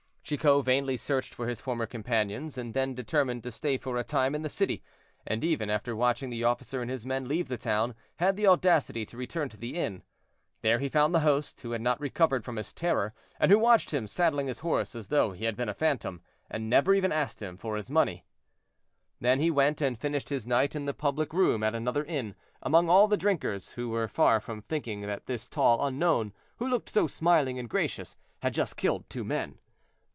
Chicot vainly searched for his former companions, and then determined to stay for a time in the city; and even, after watching the officer and his men leave the town, had the audacity to return to the inn. There he found the host, who had not recovered from his terror, and who watched him saddling his horse as though he had been a phantom, and never even asked him for his money. Then he went and finished his night in the public room at another inn, among all the drinkers, who were far from thinking that this tall unknown, who looked so smiling and gracious, had just killed two men.